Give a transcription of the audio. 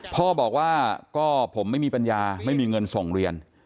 พ่อบอกว่าก็ผมไม่มีปัญญาไม่มีเงินส่งเรียน